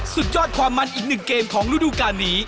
สุดยอดความมันอีกหนึ่งเกมของฤดูการนี้